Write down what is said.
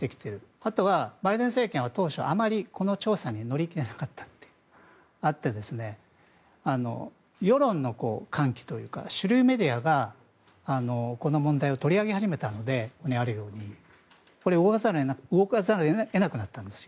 あとはバイデン政権は当初あまりこの調査に乗り気じゃなくて世論の喚起というか主流メディアがこの問題を取り上げ始めたので動かさざるを得なくなったんです。